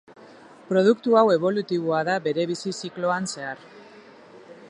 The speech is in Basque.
Produktu hau ebolutiboa da bere bizi zikloan zehar.